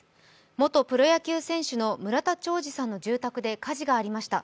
元プロ野球選手の村田兆治さんの住宅で火事がありました。